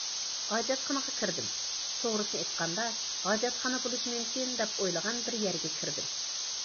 ھاجەتخانىغا كىردىم، توغرىسىنى ئېيتقاندا،« ھاجەتخانا بولۇش مۇمكىن» دەپ ئويلىغان بىر يەرگە كىردىم.